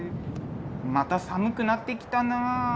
また寒くなってきたなあ。